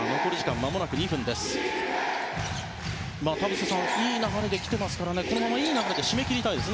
田臥さんいい流れできていますからこのままいい流れで締め切りたいですね。